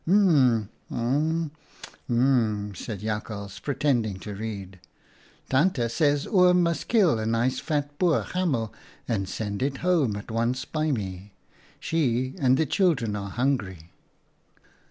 "'Hm, hm, hm,' said Jakhals, pretending to read. ' Tante says Oom must kill a nice fat Boer hamel and send it home at once by me. She and the children are hungry.'